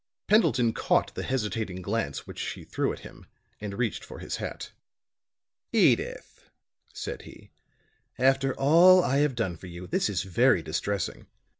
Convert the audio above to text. Pendleton caught the hesitating glance which she threw at him and reached for his hat. "Edyth," said he, "after all I have done for you, this is very distressing.